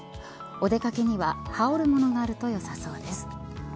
お出掛けには羽織る物があるとよさそうです。